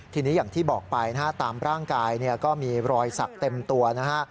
ทีนี้อย่างที่บอกไปนะฮะตามร่างกายก็มีรอยสักเต็มตัวนะฮะ